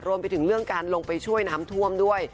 รวมไปถึงเรื่องการลงไปช่วยน้ำท่วมด้วย